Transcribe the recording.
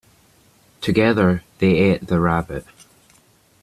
Together they ate the rabbit.